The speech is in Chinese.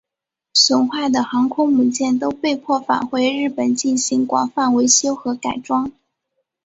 损坏的航空母舰都被迫返回日本进行广泛维修和改装。